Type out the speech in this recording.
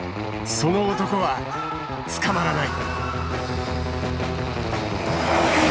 その男は捕まらない。